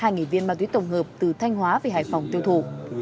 hai viên ma túy tổng hợp từ thanh hóa về hải phòng tiêu thụ